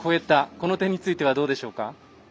この点についてはどうでしょうか。